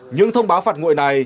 những thông báo phạt nguội này